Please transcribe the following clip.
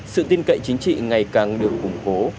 sự tin cậy chính trị ngày càng được ủng hộ